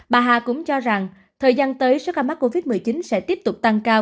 bà hà cũng cho rằng thời gian tới số ca mắc covid một mươi chín sẽ tiếp tục tăng cao